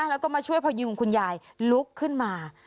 และก็มาช่วยผนิวขุนยายลุกขึ้นมา